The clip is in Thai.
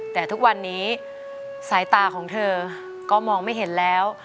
แต่ทุกวันนี้สายตาของเธอก็มองไม่เห็นแล้ว